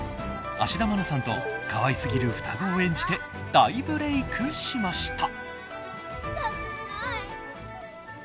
芦田愛菜さんと可愛すぎる双子を演じて大ブレークしました。